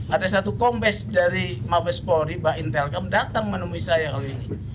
ada satu kompes dari mabes polri mbak intel datang menemui saya kali ini